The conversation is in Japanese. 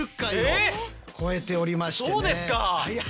そうですか！